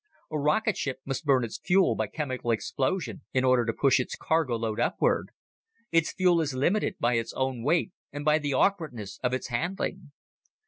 A rocketship must burn its fuel by chemical explosion in order to push its cargo load upward. Its fuel is limited by its own weight and by the awkwardness of its handling.